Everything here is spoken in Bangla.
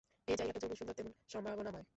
এই জায়গাটা যেমন সুন্দর, - তেমন সম্ভাবনাময়।